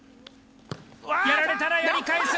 やられたらやり返す！